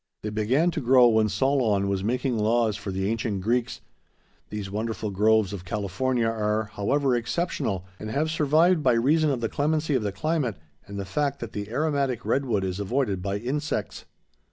They began to grow when Solon was making laws for the ancient Greeks. These wonderful groves of California are, however, exceptional, and have survived by reason of the clemency of the climate and the fact that the aromatic redwood is avoided by insects.